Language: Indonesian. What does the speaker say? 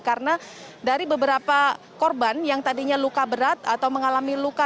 karena dari beberapa korban yang tadinya luka berat atau mengalami luka